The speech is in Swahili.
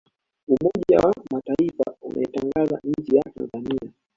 umoja wa mataifa unaitangaza nchi ya tanzania